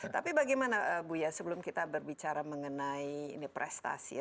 tapi bagaimana buya sebelum kita berbicara mengenai prestasi ya